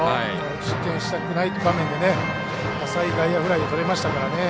失点したくない場面で浅い外野フライでとれましたからね。